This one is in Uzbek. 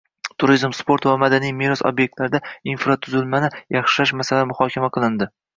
Turizm, sport va madaniy meros ob’ektlarida infratuzilmani yaxshilash masalalari muhokama qilinding